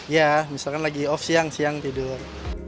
ya misalkan lagi off siang siang tidur